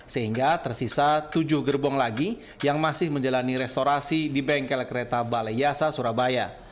sehingga tersisa tujuh gerbong lagi yang masih menjalani restorasi di bengkel kereta balai yasa surabaya